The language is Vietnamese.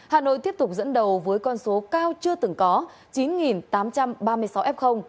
hà nội tiếp tục dẫn đầu với con số cao chưa từng có chín tám trăm ba mươi sáu f